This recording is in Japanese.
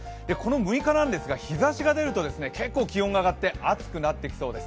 ６日なんですが日ざしが出ると結構気温が上がって暑くなりそうです。